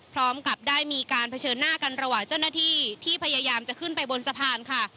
พร้อมกับได้มีการเผชิญหน้ากันระหว่างเจ้าหน้าที่ที่พยายามจะขึ้นไปบนสะพานค่ะ